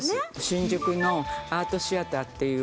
新宿のアートシアターっていう